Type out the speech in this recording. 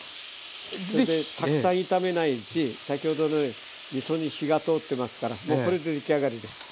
それでたくさん炒めないし先ほどのでみそに火が通ってますからもうこれで出来上がりです。